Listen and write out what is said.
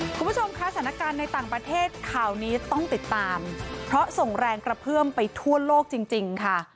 คุณผู้ชมคะสถานการณ์ในต่างประเทศข่าวนี้ต้องติดตามเพราะส่งแรงกระเพื่อมไปทั่วโลกจริงค่ะ